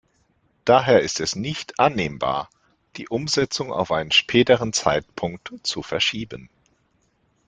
Daher ist es nicht annehmbar, die Umsetzung auf einen späteren Zeitpunkt zu verschieben.